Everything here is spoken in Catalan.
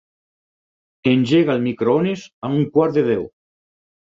Engega el microones a un quart de deu.